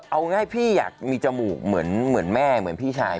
เอาง่ายพี่อยากมีจมูกเหมือนแม่เหมือนพี่ชาย